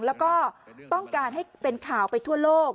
แล้วก็ต้องการให้เป็นข่าวไปทั่วโลก